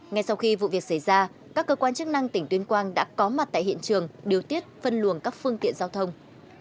ngay sau khi vụ việc xảy ra các cơ quan chức năng tỉnh tuyên quang đã có mặt tại hiện trường điều tiết phân luồng các phương tiện giao thông